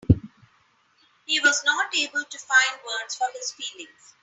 He was not able to find words for his feelings.